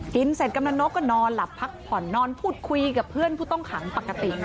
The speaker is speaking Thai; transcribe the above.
กินเสร็จกำลังนกก็นอนหลับพักผ่อนนอนพูดคุยกับเพื่อนผู้ต้องขังปกตินะ